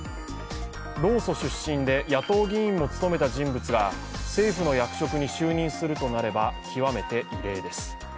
労組出身で野党議員も務めた人物が政府の役職に就任するとなれば極めて異例です。